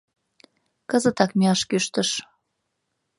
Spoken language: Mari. кызытак мияш кӱштыш.